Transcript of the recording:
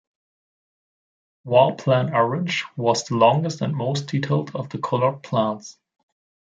War Plan Orange was the longest and most-detailed of the colored plans.